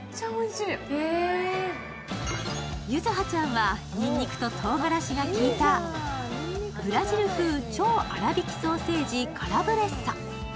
柚葉ちゃんは、にんにくととうがらしが効いた、ブラジル風超粗びきソーセージカラブレッサ。